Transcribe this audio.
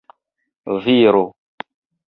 viro